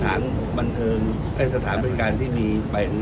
การประชุมเมื่อวานมีข้อกำชับหรือข้อกำชับอะไรเป็นพิเศษ